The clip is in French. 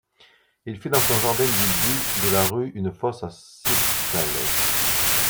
Il fit dans son jardin du Bû de la Rue une fosse à seakales.